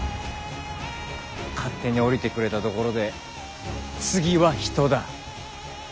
勝手に下りてくれたところで次は人だ。